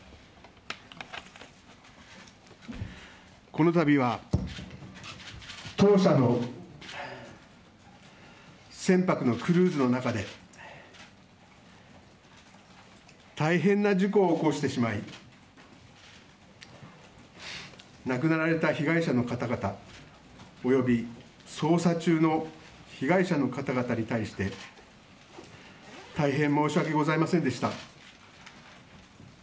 この度は当社の船舶のクルーズの中で大変な事故を起こしてしまい亡くなられた被害者の方々及び捜査中の被害者の方々に対して大変申し訳ございませんでした。